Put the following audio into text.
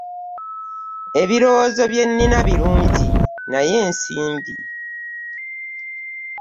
Ebirowoozo bye nina birungi naye ensimbi.